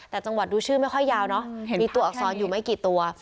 แต่จังหวัดดูชื่อไม่ค่อยยาวเนอะมีตัวอักษรอยู่ไม่กี่ตัว